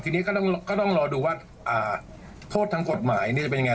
ทีนี้ก็ต้องรอดูว่าโทษทางกฎหมายจะเป็นยังไง